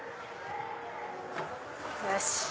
よし！